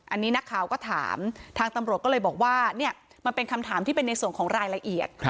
อันนี้นักข่าวก็ถามทางตำรวจก็เลยบอกว่าเนี่ยมันเป็นคำถามที่เป็นในส่วนของรายละเอียด